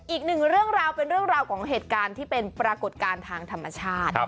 อีกหนึ่งเรื่องราวเป็นเรื่องราวของเหตุการณ์ที่เป็นปรากฏการณ์ทางธรรมชาติ